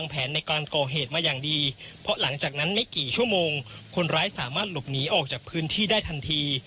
เพราะหลังจากนั้นไม่กี่ชั่วโมงคนร้ายสามารถหลบหนีออกจากพื้นที่ได้ทันที